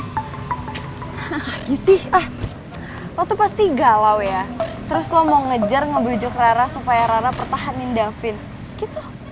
hahaha gisi ah lo tuh pasti galau ya terus lo mau ngejar ngebujuk rara supaya rara pertahanin davin gitu